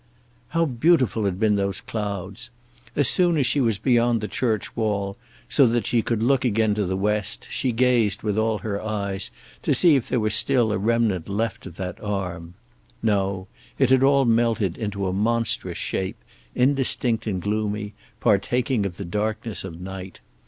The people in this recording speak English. How beautiful had been those clouds! As soon as she was beyond the church wall, so that she could look again to the west, she gazed with all her eyes to see if there were still a remnant left of that arm. No; it had all melted into a monstrous shape, indistinct and gloomy, partaking of the darkness of night.